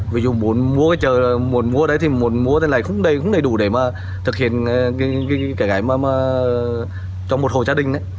ví dụ muốn mua cái chợ muốn mua đấy thì muốn mua thế này không đầy đủ để mà thực hiện cái gái mà trong một hồ gia đình